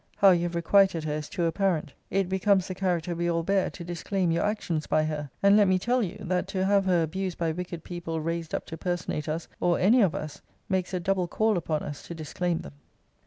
How you have requited her is too apparent. It becomes the character we all bear, to disclaim your actions by her. And let me tell you, that to have her abused by wicked people raised up to personate us, or any of us, makes a double call upon us to disclaim them.